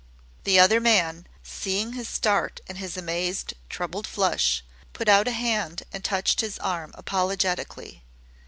The other man, seeing his start and his amazed, troubled flush, put out a hand and touched his arm apologetically.